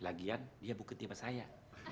lagian dia bukan cewek saya